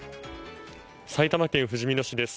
埼玉県ふじみ野市です